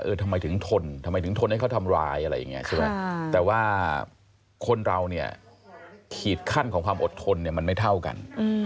เออทำไมถึงทนทำไมถึงทนให้เขาทำร้ายอะไรอย่างเงี้ย